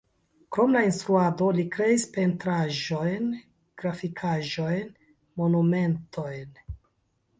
Krom la instruado li kreis pentraĵojn, grafikaĵojn, monumentojn.